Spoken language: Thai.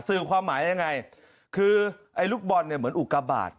ซึ่งความหมายยังไงคือลูกบอลเหมือนอุกระบาด